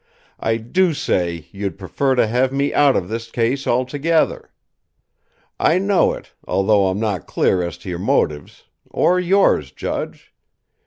I do say you'd prefer to have me out of this case altogether. I know it, although I'm not clear as to your motives or yours, judge.